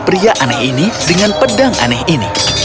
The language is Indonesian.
pria aneh ini dengan pedang aneh ini